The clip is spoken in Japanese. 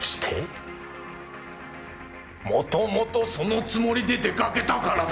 もともとそのつもりで出かけたからだよ。